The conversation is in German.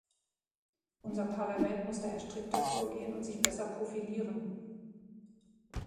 Unser Parlament muss daher strikter vorgehen und sich besser profilieren.